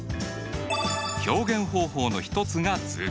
表現方法の一つが図形化。